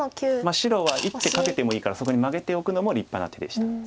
白は１手かけてもいいからそこにマゲておくのも立派な手でした。